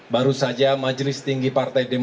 saya akan meminta para penduduk